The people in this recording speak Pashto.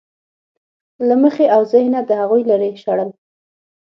له مخې او ذهنه د هغوی لرې شړل.